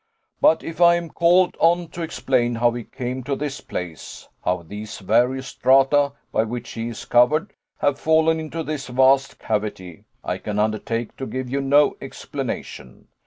But if I am called on to explain how he came to this place, how these various strata by which he is covered have fallen into this vast cavity, I can undertake to give you no explanation.